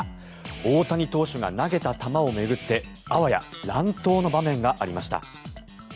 大谷投手が投げた球を巡ってあわや乱闘の場面がありました。